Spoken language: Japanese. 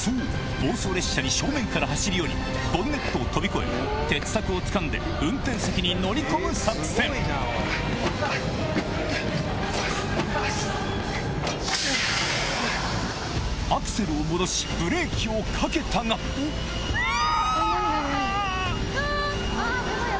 暴走列車に正面から走り寄りボンネットを跳び越え鉄柵をつかんで運転席に乗り込む作戦アクセルを戻しブレーキをかけたがうわ！